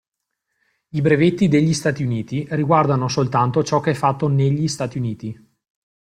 I brevetti degli Stati Uniti riguardano soltanto ciò che è fatto negli Stati Uniti.